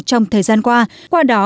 trong thời gian qua qua đó